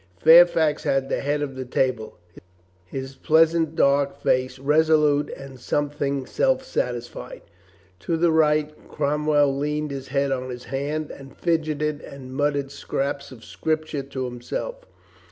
Fairfax had the head of the table, his pleasant dark face resolute and something self satisfied. To the right Cromwell leaned his head on his hand and fidgeted and mut tered scraps of Scripture to himself.